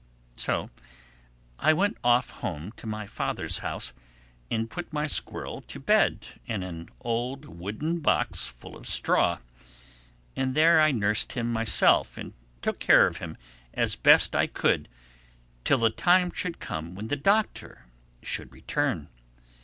So I went off home to my father's house and put my squirrel to bed in an old wooden box full of straw. And there I nursed him myself and took care of him as best I could till the time should come when the Doctor would return.